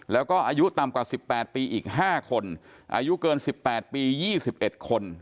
แล้วก็อายุต่ำกว่า๑๘ปีอีก๕คนอายุเกิน๑๘ปี๒๑คน